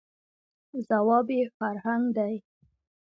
، ځواب یې «فرهنګ» دی.